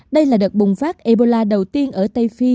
đây là đợt bùng phát ebola đầu tiên ở tây phi